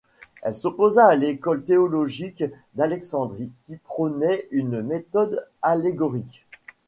Elle s'opposa à l'école théologique d'Alexandrie qui prônait une méthode allégorique.